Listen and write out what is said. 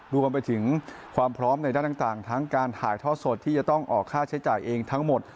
รวมไปถึงความพร้อมในด้านต่างทั้งการถ่ายทอดสดที่จะต้องออกค่าใช้จ่ายเองทั้งหมด